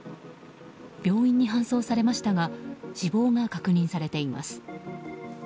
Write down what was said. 病院に搬送されましたが死亡が確認されています。